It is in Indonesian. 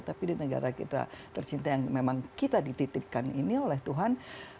tapi di negara kita tercinta yang memang kita dititipkan ini oleh tuhan